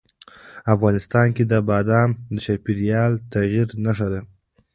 افغانستان کې بادام د چاپېریال د تغیر نښه ده.